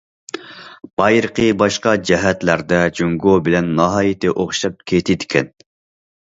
بايرىقى، باشقا جەھەتلەردە جۇڭگو بىلەن ناھايىتى ئوخشاپ كېتىدىكەن.